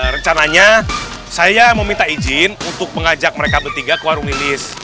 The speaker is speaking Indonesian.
rencananya saya meminta izin untuk mengajak mereka bertiga ke warung lilis